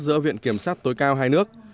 giữa viện kiểm sát tối cao hai nước